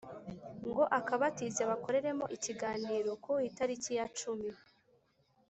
ngo akabatize bakoreremo ikiganiro. ku itariki ya cumi